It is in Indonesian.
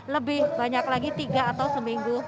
lebih banyak lagi tiga atau seminggu